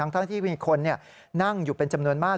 ทั้งที่มีคนนั่งอยู่เป็นจำนวนมาก